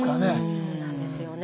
そうなんですよね。